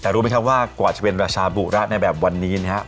แต่รู้ไหมครับว่ากว่าจะเป็นราชาบุระในแบบวันนี้นะครับ